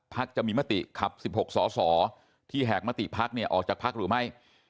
จะมีมติขับ๑๖สอสอที่แหกมติภักดิออกจากพักหรือไม่